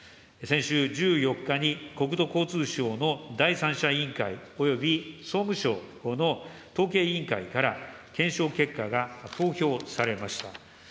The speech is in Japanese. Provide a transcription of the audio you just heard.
先週１４日に国土交通省の第三者委員会および総務省の統計委員会から検証結果が公表されました。